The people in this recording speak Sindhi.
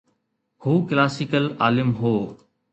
هو ڪلاسيڪل عالم هو.